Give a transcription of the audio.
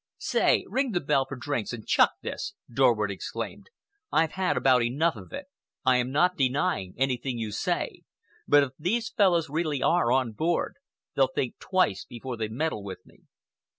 "Say, ring the bell for drinks and chuck this!" Dorward exclaimed. "I've had about enough of it. I am not denying anything you say, but if these fellows really are on board, they'll think twice before they meddle with me."